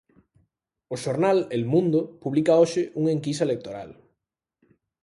O xornal 'El Mundo' publica hoxe un enquisa electoral.